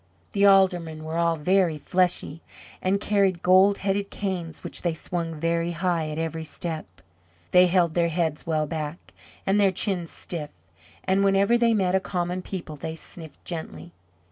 The Aldermen were all very fleshy, and carried gold headed canes which they swung very high at every step. They held their heads well back, and their chins stiff, and whenever they met common people they sniffed gently.